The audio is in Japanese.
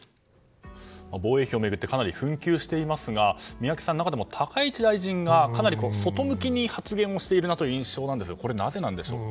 防衛費を巡ってかなり紛糾していますが宮家さん、高市大臣がかなり外向きに発言しているなという印象ですがこれはなぜなんでしょうか。